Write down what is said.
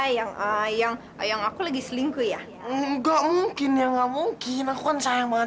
yang yang aku lagi selingkuh ya enggak mungkin ya nggak mungkin aku kan sayang banget